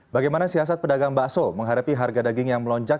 bagaimana siasat pedagang bakso menghadapi harga daging yang melonjak